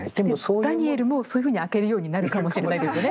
ダニエルもそういうふうに開けるようになるかもしれないですよね。